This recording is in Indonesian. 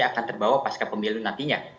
akan terbawa pasca pemilu nantinya